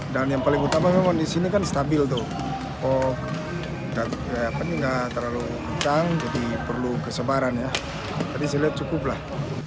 dan yang paling utama kondisi ini kan stabil tidak terlalu gantian jadi perlu kesebaran jadi saya lihat cukup lah